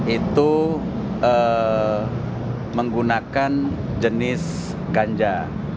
itu menggunakan jenis ganja